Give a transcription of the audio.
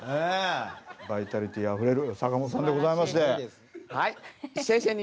バイタリティーあふれる坂本さんでございまして。